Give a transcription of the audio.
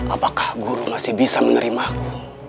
apakah guru masih bisa menerimaku